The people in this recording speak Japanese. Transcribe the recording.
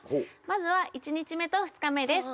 まずは１日目と２日目です